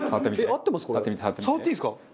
触っていいですか？